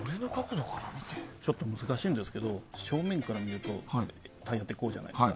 ちょっと難しいんですけど正面から見るとタイヤってこうじゃないですか。